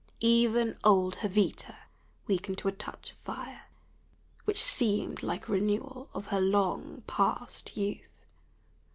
Even old Jovita wakened to a touch of fire which seemed like a renewal of her long past youth.